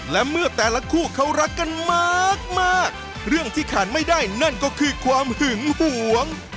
และเมื่อแต่ละคู่เขารักกันมากเรื่องที่ขาดไม่ได้นั่นก็คือความหึงหวง